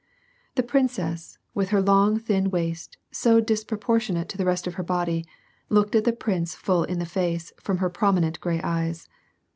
The princess, with her long thin waist, so disproportionate to the rest of her body, looked at the prince full in the face from her prominent gray eyes.